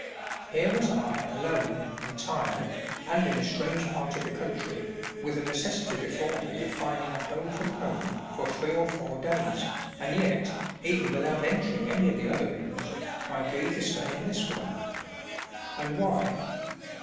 Here was I alone, and tired, and in a strange part of the country, with the necessity before me of finding "a home from home" for three or four days, and yet, even without entering any of the other inns, I agreed to stay in this one. And why?